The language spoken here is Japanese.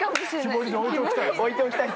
木彫り置いておきたい。